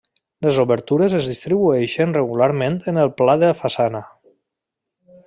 Les obertures es distribueixen regularment en el pla de façana.